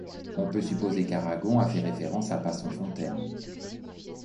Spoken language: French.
On peut supposer qu'Aragon a fait référence à Passonfontaine.